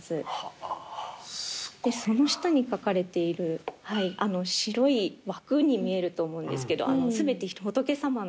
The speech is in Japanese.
その下に描かれている白い枠に見えると思うんですけど全て仏様のお顔が。